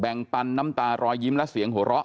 ปันน้ำตารอยยิ้มและเสียงหัวเราะ